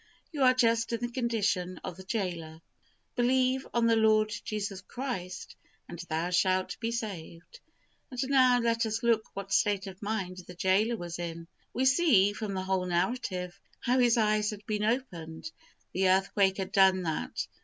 You are just in the condition of the gaoler. "Believe on the Lord Jesus Christ and thou shalt be saved," and now let us look what state of mind the gaoler was in. We see, from the whole narrative, how his eyes had been opened. The earthquake had done that.